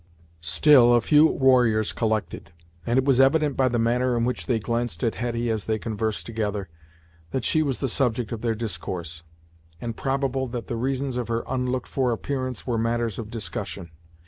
Still a few warriors collected, and it was evident by the manner in which they glanced at Hetty as they conversed together, that she was the subject of their discourse, and probable that the reasons of her unlooked for appearance were matters of discussion.